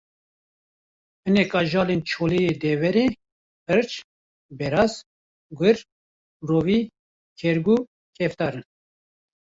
Hinek ajalên çolê yê deverê: hirç, beraz, gur, rovî, kerguh, keftar in